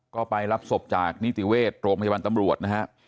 ก็ไปรับศพจากนิติเวชโรงพยาบาลตำรวจนะฮะ